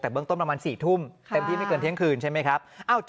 แต่เบื้องต้นประมาณ๔ทุ่มเต็มที่ไม่เกินเที่ยงคืนใช่ไหมครับ